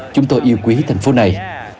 chúng tôi yêu quý thành phố này